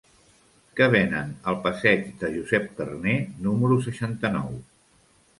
Què venen al passeig de Josep Carner número seixanta-nou?